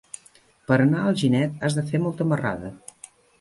Per anar a Alginet has de fer molta marrada.